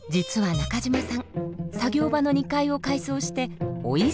中嶋さん